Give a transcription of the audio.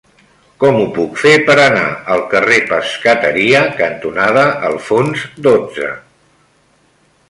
Com ho puc fer per anar al carrer Pescateria cantonada Alfons dotze?